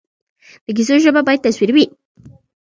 د کیسو ژبه باید تصویري وي.